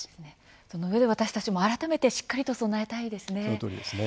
そのうえで私たちも改めてしっかりと備えたいですね。